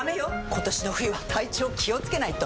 今年の冬は体調気をつけないと！